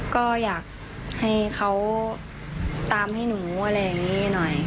ก็อยากให้เขาตามให้หนูอะไรอย่างนี้หน่อย